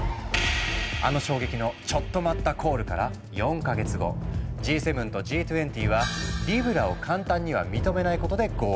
あの衝撃のチョット待ったコールから４か月後Ｇ７とＧ２０はリブラを簡単には認めないことで合意。